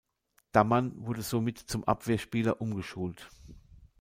Dammann wurde somit zum Abwehrspieler umgeschult.